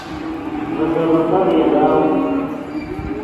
ڤے سبقف یاداؤ